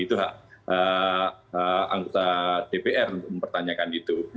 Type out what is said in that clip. itu anggota dpr mempertanyakan itu